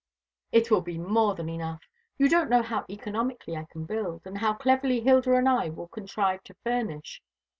"It will be more than enough. You don't know how economically I can build, and how cleverly Hilda and I will contrive to furnish.